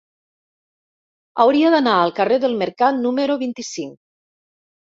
Hauria d'anar al carrer del Mercat número vint-i-cinc.